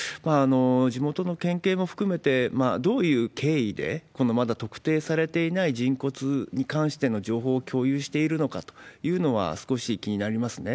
地元の県警も含めて、どういう経緯で、このまだ特定されていない人骨に関しての情報を共有しているのかというのは、少し気になりますね。